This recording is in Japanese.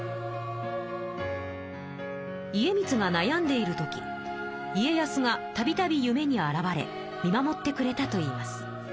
家光がなやんでいる時家康がたびたび夢に現れ見守ってくれたといいます。